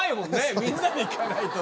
みんなで行かないと。